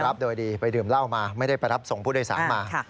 โดยดีไปดื่มเหล้ามาไม่ได้ไปรับส่งผู้โดยสารมา